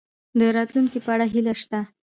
د راتلونکي په اړه هیله شته؟